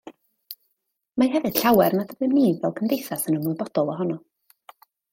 Mae hefyd llawer nad ydym ni fel cymdeithas yn ymwybodol ohono